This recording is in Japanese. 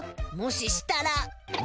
もししたら！